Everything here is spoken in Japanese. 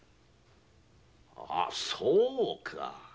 あそうか！